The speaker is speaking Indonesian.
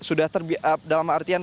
sudah terbiak dalam artian